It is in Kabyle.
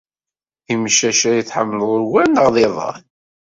D imcac ay tḥemmled ugar neɣ d iḍan?